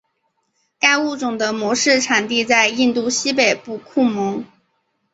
该物种的模式产地在印度西北部库蒙。